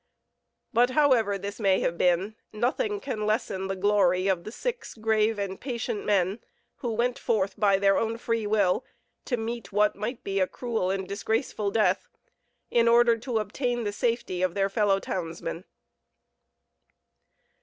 But, however this may have been, nothing can lessen the glory of the six grave and patient men who went forth, by their own free will to meet what might be a cruel and disgraceful death, in order to obtain the safety of their fellow townsmen.